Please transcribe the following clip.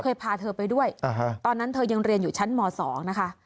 เคยพาเธอไปด้วยอ่าฮะตอนนั้นเธอยังเรียนอยู่ชั้นหมอสองนะคะ